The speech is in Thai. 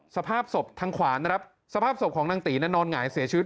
สภาพศพทางขวานนะครับสภาพศพของนางตีนั้นนอนหงายเสียชีวิต